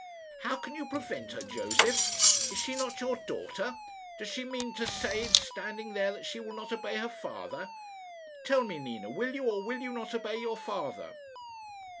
"How can you prevent her, Josef? Is she not your daughter? Does she mean to say, standing there, that she will not obey her father? Tell me. Nina, will you or will you not obey your father?"